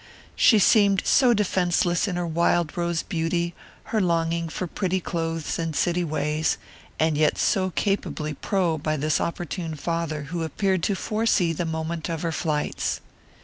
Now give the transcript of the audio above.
She seemed so defenceless in her wild rose beauty, her longing for pretty clothes and city ways, and yet so capably pro by this opportune father who appeared to foresee the moment of her flights.